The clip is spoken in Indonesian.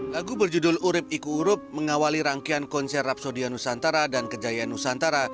lagu berjudul urib iku urup mengawali rangkaian konser rapsodia nusantara dan kejayaan nusantara